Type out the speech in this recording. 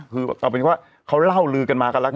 คือเอาเป็นว่าเขาเล่าลือกันมากันแล้วกัน